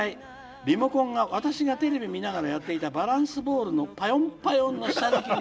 リモコンが私がテレビ見ながらやっていたバランスボールのパヨンパヨンの下敷きに」。